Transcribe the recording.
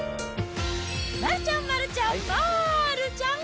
丸ちゃん、丸ちゃん、丸ちゃん。